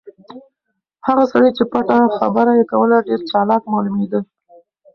هغه سړی چې پټه خبره یې کوله ډېر چالاک معلومېده.